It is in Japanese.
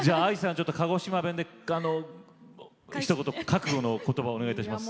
ちょっと鹿児島弁でひと言覚悟の言葉をお願いいたします。